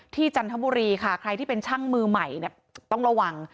จันทบุรีค่ะใครที่เป็นช่างมือใหม่ต้องระวัง